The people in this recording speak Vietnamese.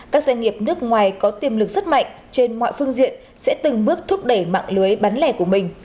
các doanh nghiệp nước ngoài có tiềm lực rất mạnh trên mọi phương diện sẽ từng bước thúc đẩy mạng lưới bán lẻ của mình